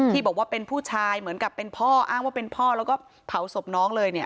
ที่บอกว่าเป็นผู้ชายเหมือนกับเป็นพ่ออ้างว่าเป็นพ่อแล้วก็เผาศพน้องเลยเนี่ย